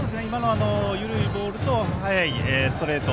緩いボールと速いストレート。